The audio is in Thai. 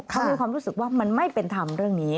เขามีความรู้สึกว่ามันไม่เป็นธรรมเรื่องนี้